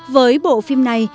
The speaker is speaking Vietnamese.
với bộ phim này